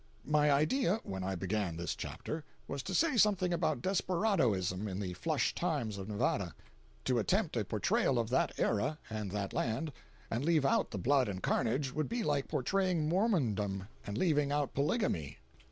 My idea, when I began this chapter, was to say something about desperadoism in the "flush times" of Nevada. To attempt a portrayal of that era and that land, and leave out the blood and carnage, would be like portraying Mormondom and leaving out polygamy.